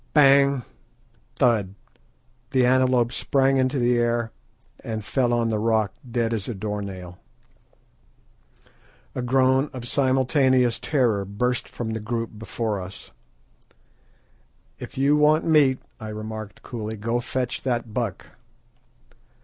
"Bang! thud!" The antelope sprang into the air and fell on the rock dead as a door nail. A groan of simultaneous terror burst from the group before us. "If you want meat," I remarked coolly, "go fetch that buck."